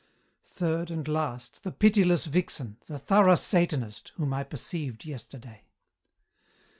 "Third and last, the pitiless vixen, the thorough Satanist, whom I perceived yesterday.